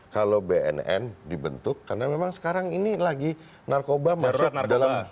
kalau bnn dibentuk karena memang sekarang ini lagi narkoba masuk dalam